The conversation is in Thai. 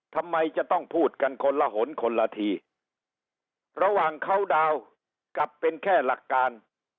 ทำไมจะต้องพูดกันคนละหนคนละทีระหว่างเขาดาวน์กลับเป็นแค่หลักการ